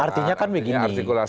artinya kan begini